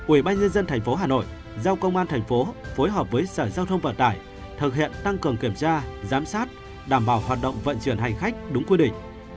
ủy ban nhân dân tp hcm giao công an tp hcm phối hợp với sở giao thông vận tải thực hiện tăng cường kiểm tra giám sát đảm bảo hoạt động vận chuyển hành khách đúng quy định